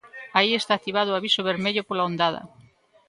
Aí está activado o aviso vermello pola ondada.